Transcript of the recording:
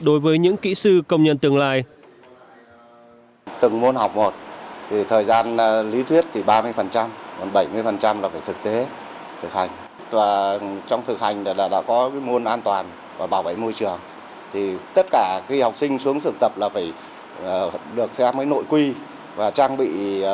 đối với những kỹ sư công nhân tương lai